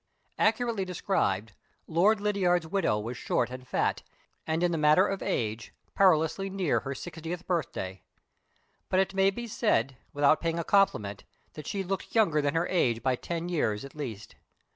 Accurately described, Lord Lydiard's widow was short and fat, and, in the matter of age, perilously near her sixtieth birthday. But it may be said, without paying a compliment, that she looked younger than her age by ten years at least.